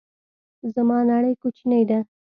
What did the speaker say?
زما نړۍ کوچنۍ ده